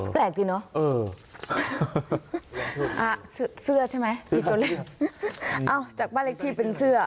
แปลกดีเนอะเอออ่าเสื้อใช่ไหมมีตัวเลขเอาจากบ้านเล็กที่เป็นเสื้อ